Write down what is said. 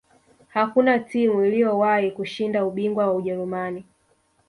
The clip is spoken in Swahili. hakuna timu iliyowahi kushinda ubingwa wa ujerumani